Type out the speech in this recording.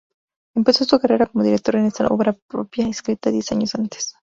Empezó su carrera como director con esta obra propia escrita diez años antes.